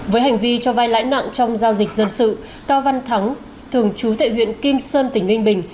với hành vi cho vai lãi nặng trong giao dịch dân sự cao văn thắng thường trú tại huyện kim sơn tỉnh ninh bình